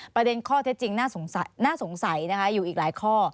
ประเด็นข้อเท็จจริงน่าสงสัยนะคะอยู่อีกหลายข้อ